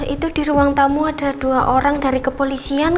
itu di ruang tamu ada dua orang dari kepolisian